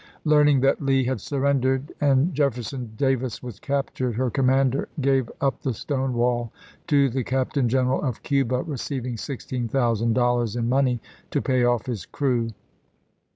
Learning that Lee had surrendered and Jef i865. ferson Davis was captured, her commander gave up the Stoneivall to the Captain General of Cuba, receiving sixteen thousand dollars in money to pay oft his crew.